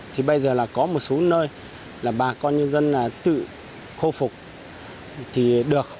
thì bây giờ là có một số nơi là bà con nhân dân là tự khôi phục thì được